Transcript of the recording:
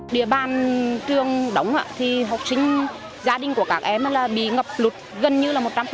địa bàn trường đóng học sinh gia đình của các em bị ngập lụt gần như một trăm linh